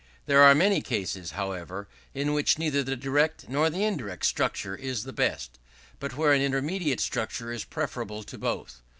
There are many cases, however, in which neither the direct nor the indirect structure is the best; but where an intermediate structure is preferable to both.